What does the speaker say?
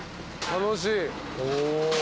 楽しい。